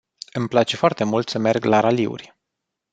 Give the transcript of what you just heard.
Îmi place foarte mult să merg la raliuri.